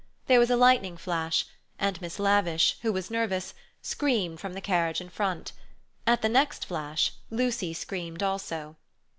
There was a lightning flash, and Miss Lavish who was nervous, screamed from the carriage in front. At the next flash, Lucy screamed also.